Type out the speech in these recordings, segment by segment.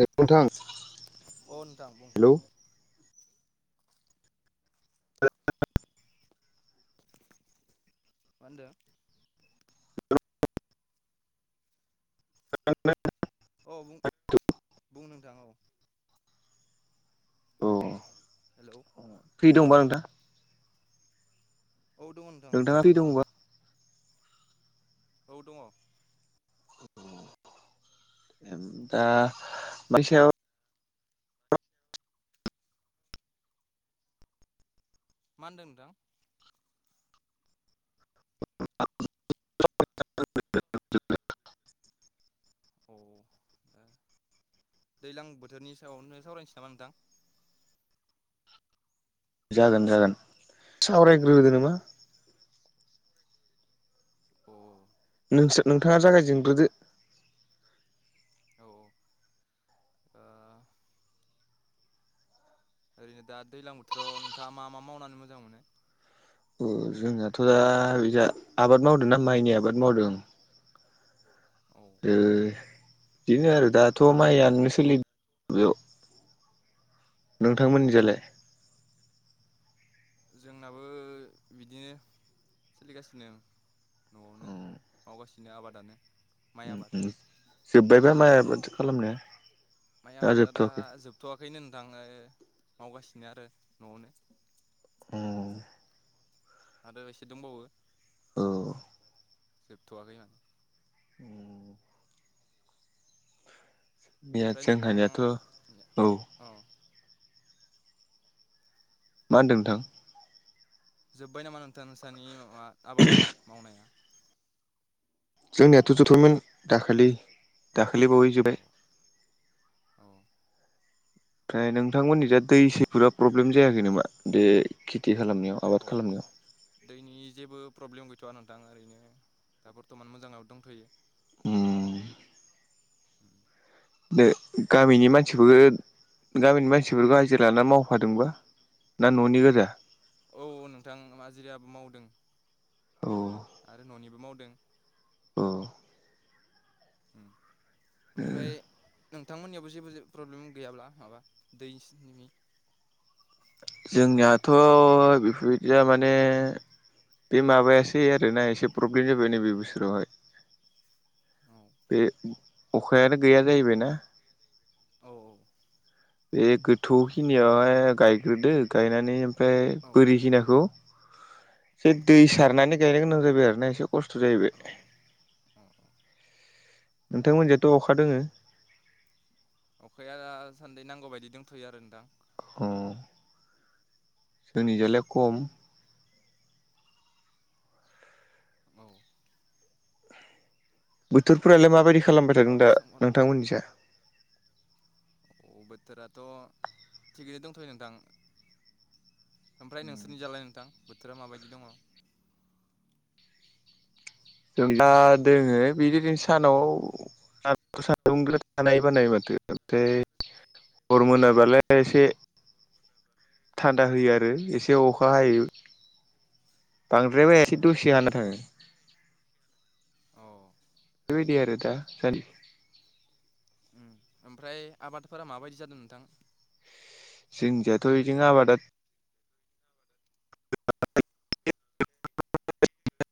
नोंथां अ नोंथां बुं हेलौ मा होनदों [unintelligible] औ बुं बुं नोंथां औ औ हेलौ फ्रि दंबा नोंथां औ दङ नों नोंथाङा फ्रि दङोबा औ दङ आ मानि सायाव मा होनदों नोंथां [unintelligible] अ ओ दैज्लां बोथोरनि सायावनो सावरायनोसै नामा नोंथां जागोन जागोन औ सावरायग्रोदो नामा औ नोंसोर नोंथाङा जागायजेनग्रोदो औ औ आ ओरैनो दा दैजलां बोथोराव नोंथाङा मा मा मावनानै मोजां मोनो जोंनाथ' दा बिजा आबाद मावदोंना माइनि आबाद मावदों औ ओ बिदिनो आरो दाथ' माइयानो सोलि बेयाव औ नोंथांमोननि जालाय जोंनाबो बिदिनो सोलिगासिनो न'आवनो मावगासिनो आबादानो माइ उम आबाद उम जोब्बाय बा माय आबाद खालामनाया माइ ना आबादा दा जोबथ'वाखै जोबथ'वाखैनो नोंथां आङो मावगासिनो आरो न'आवनो औ आरो एसे दंबावो औ जोबथ'वाखै हा उम निया ओमफ्राय नोंथां जोंहानियाथ' औ अ मा होन्दों नोंथां जोब्बाय नामा नोंथां नोंसानि मा आबादा मावनाया जोंनियाथ' जथ'मोन [unintelligible] दाखालि औ दाखालि बावै जोब्बाय औ औ ओमफ्राय नोंथांमोननि जा दै सैफोरा प्रब्लेम जायाखै नामा बे खेथि खालामनायाव औ आबाद खालामनायाव दैनि जेबो प्रब्लेम गैथ'वा नोंथां ओरैनो दा बर्थमान मोजाङाव दंथ'यो उम उम दो गामिनि मानसिफोरखौ गामिनि मानसिफोरखौ हाजिरा लानानै मावफादोंबा ना न'नि गोजा औ नोंथां माजिरायाबो मावदों औ आरो न'निबो मावदों उम उम ओमफ्राय नोंथांमोननियावबो जेबो प्रब्लेम गैयाब्ला माबा दैनि जोंनियाथ' बेफोरबायदिया माने बे माबायासै आरोना एसे प्रब्लेम जाबाय नैबे बोसोरावहाय औ बे अखायानो गैया जाहैबायना औ औ बे गोथौखिनियावहाय गायग्रोदो गायनानै ओमफ्राय औ बोरिखिनाखौ औ एसे दै सारनानै गायनो गोनां जाबाय आरोना एसे खस्थ' जाहैबाय। औ औ नोंथांमोनजायथ' अखा दोङो? अखाया दा सान्दै नांगौ बायदि दंथ'यो आरो नोंथां। अ जोंनिजोलाय खम। औ बोथोरफोरालाय माबायदि खालामबाय थादों माबाफोर दा सोंहर नोंथांमोननि जा अ बोथोराथ' थिगैनो दंथ'यो नोंथां। ओमफ्राय नोंसोरनि जालाय नोंथां बोथोरा माबायदि दङ? दा दोङो बिदिनो सानाव [unintelligible] हर मोनाबालाय एसे थान्दा होयो आरो एसे अखा हायो। बांद्राय एसे दसे हाना थाङो। अ बे बायदि आरो दा [unintelligible] उम ओमफ्राय आबादफोरा माबायदि जादो नोंथां? जोंनियाथ' इदिनो आबादा [unintelligible]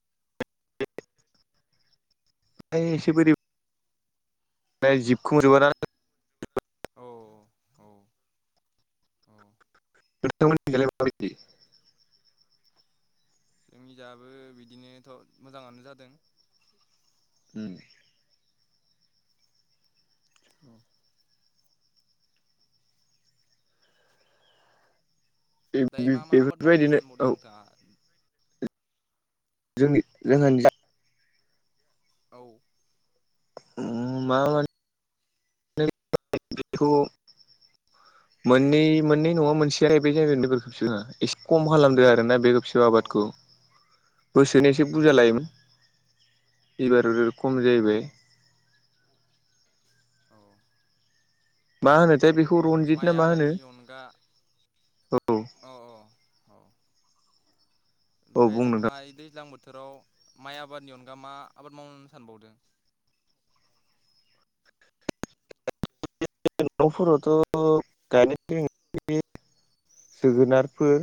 बाय एसे बोरियाव [unintelligible] औ औ औ नोंथां मोननिजालाय मा बायदि? जोंनिजाबो बिदिनोथ' मोजाङानो जादों। उम दायो मा मा आबाद मावनो बेफोरबायदिनो औ सानबावदो नोंथाङा? जोंनि जोंहानिजा औ उम मा माने [unintelligible] बेखौ मोननै मोननै नङा मोनसेया बे जायगायाव [unintelligible] एसे खम खालामदो आरोना बे खेबसे थास' औ आबादखौ बोसोनो एसे बुरजा औ लायोमोन इबार खम औ जाहैबाय अ मा होनो दा बेखौ रन माइ आबादनि अनगा औ अ अ औ औ ओमफाय बुं नोंथां नोंथाङा ओइ दैज्लां बोथोराव माइ आबादनि अनगा मा आबाद मावनो सानबावदो? न'फोरावथ' [unintelligible] जोगोनारफोर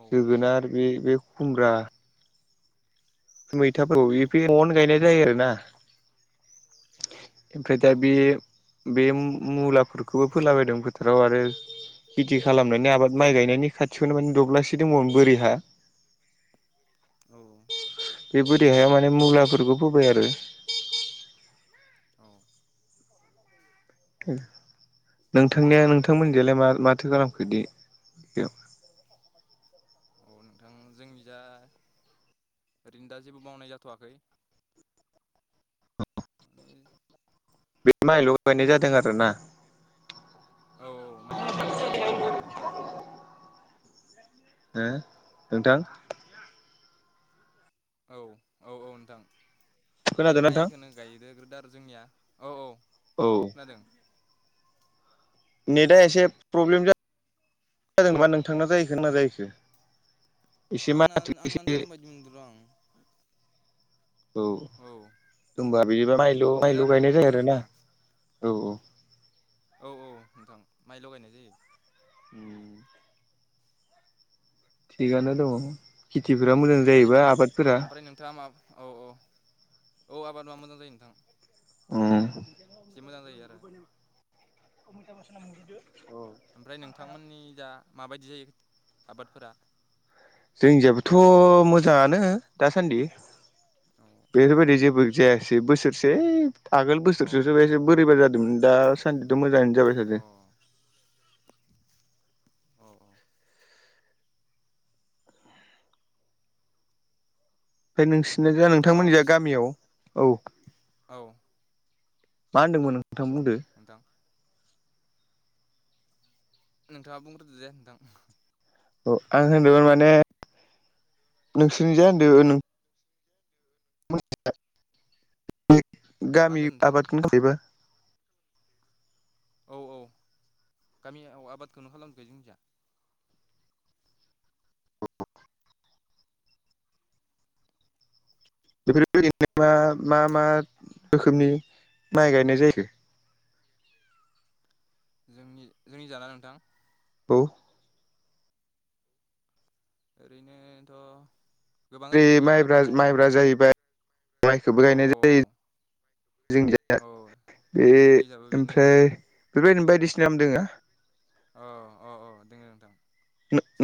औ जोगोनार बे बे खुमब्रा मैथाफोरखौ औ बिफाया न'वावनो गायनाय जायो आरोना। ओमफ्राय दा औ बे बे मुलाफोरखौबो फोलाबायदों फोथाराव आरो खेथि खालामनानै आबाद माइ गायनायनि खाथियावनो माने दब्लासे दंबावोमोन बोरि हा औ बे बोरि हायाव माने मुलाफोरखौ फोबाय आरो। औ नोंथांनिया नोंथांमोननि जायलाय मा माथो खालामखो इदि अ नोंथां जोंनि जा ओरैनो दा जेबो मावनाय जाथ'वाखै। माने बे माइल' गायनाय जादों आरोना। औ औ माइ गायनाय जादों बेखिनियानो। हो नोंथां औ औ औ नोंथां बे खोनादों नोंथां माइखौनो गायनो होग्रोदो आरो जोंनिया औ औ। औ खोनादों? नेटआ एसे प्रब्लेम जादों नामा नोंथांना जायैखो ना आंनाजाहैखो? आंना आंनानो जादों बायदि मोनदों र' आं। औ होनबा बिदिबा माइल' नेटआ मायल' प्रब्लेम गायनाय जायो जादों आरो आंना ना औ औ। औ औ नोंथां माइल'गायनाय जायो। [unintelligible] थिगनो दङ खेथिफोरा मोजां जायोबा आबादफोरा। थामाफ औ औ औ आबादबा मोजां जायो नोंथां। उम इसि मोजां जायो आरो। [unintelligible] ओमफ्राय नोंथांमोननि जा माबायदि जायो आबादफोरा? जोंनिजायबोथ' मोजाङानो दासान्दि औ औ बेफोरबायदि जेबो जायासै बोसोरसे आगोल औ बोसोरसेयावसो बाय एसे बोरैबा जादोंमोन दाासान्दिथ' मोजाङैनो जाबाय थादो। अ औ ओमफ्राय नोंसिरना जा नोंथाङा नोंथांमोननि जा माबाफोर सों गामियाव औ। औ मा होन्दोंमोन? बुं नोंथां। नोंथाङा बुंग्रोदो दे नोंथां। औ आं होनदोंमोन माने नोंसोरनिजाय उम होनदों। मा गामि होनदों नोंथां आबादनि थाखायबो औ औ गामियाव आबादखौनो खालामखो जों जहा। बेफोरबायनो मा मा मा रोखोमनि माइ गायनाय जायो? जोंनि जोंनि जाला नोंथां? औ ओरैनोथ' गोबां जेरै रोखोमनि मायब्रा आबाद माव माबा माइब्रा जाहैबा माइखौबो औ गायनाय औ जायो। जोंनि जाय औ बे जोंनि जाबो बेनो नोंथां ओमफ्राय बेबायदिनो बायदिसिना नाम दोङो। अ अ अ दोङो नोंथां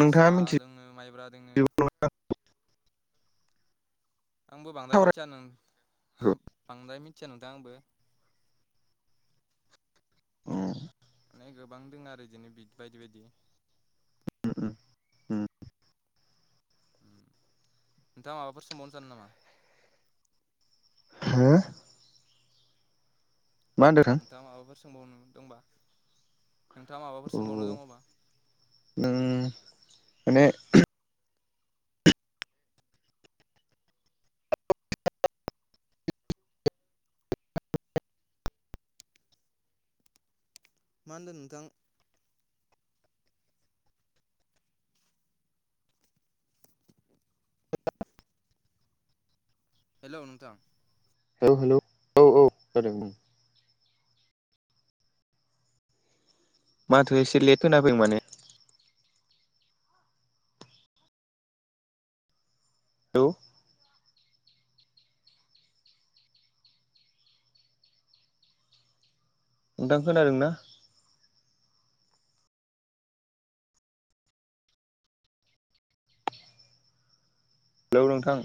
नोंथाङा मिथियो दोङो माइब्रा दोङो। आंबो बांद्राय सावरायखौ मिथिया नों बांद्राय मिथिया नोंथां आंबो। माने गोबां दङ आरो बिदिनो बि बायदि बायदि। नोंथाङा माबाफोर सोंबावनो जानो नामा? हो मा होनदों नोंथां? नोंथाङा माबाफोर सोंबावनो दंबा नोंथाङा माबाफोर सोंबावनो दङबा। उम माने मा होनदों नोंथां? [inaudible] हेल' नोंथां। औ हेलौ औ औ खोनादों। माथो एसे लेट खोनाफैदों माने। हेलौ नोंथां खोनादों ना? हेलौ नोंथां।